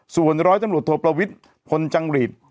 ส่วนร้อยตำรวจโทประวิทย์พลจังหรีด